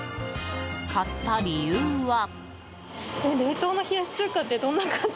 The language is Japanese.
買った理由は。